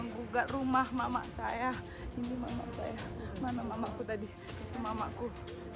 menggugat rumah mamak saya